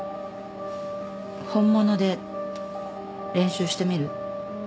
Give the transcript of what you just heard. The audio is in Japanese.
本物で練習してみる？